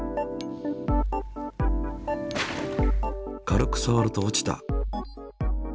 軽くさわると落ちた。